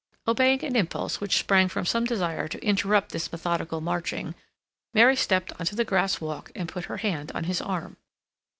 Obeying an impulse which sprang from some desire to interrupt this methodical marching, Mary stepped on to the grass walk and put her hand on his arm.